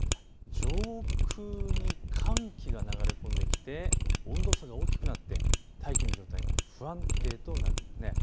上空に寒気が流れ込んできて温度差が大きくなって大気の状態が不安定となるんです。